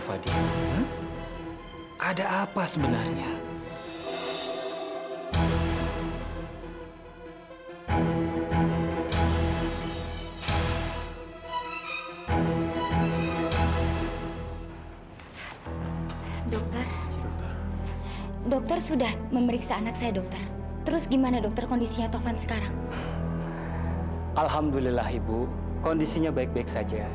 fireal sudah diperhatikan oli poemsikat